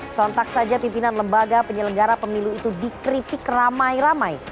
sontak saja pimpinan lembaga penyelenggara pemilu itu dikritik ramai ramai